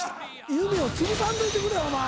夢をつぶさんといてくれお前。